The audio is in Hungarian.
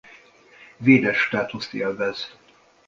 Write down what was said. Védett státuszt élvez.